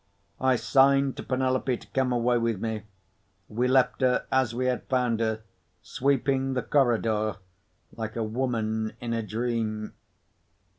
I signed to Penelope to come away with me. We left her, as we had found her, sweeping the corridor, like a woman in a dream.